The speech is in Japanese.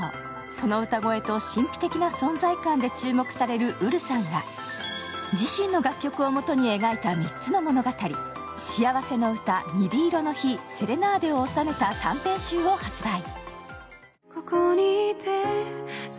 その歌声と神秘的な存在感で注目されるＵｒｕさんが、自身の楽曲をもとに描いた３つの物語「しあわせの詩」、「鈍色の日」、「セレナーデ」を収めた短編集を発売。